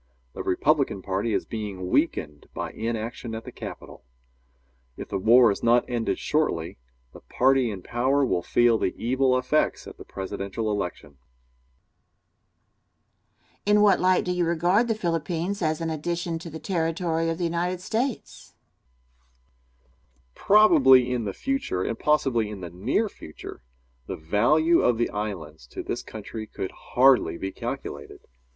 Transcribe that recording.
The Republican party is being weakened by inaction at the Capital. If the war is not ended shortly, the party in power will feel the evil effects at the presidential election. Question. In what light do you regard the Philippines as an addition to the territory of the United States? Answer. Probably in the future, and possibly in the near future, the value of the islands to this country could hardly be calculated.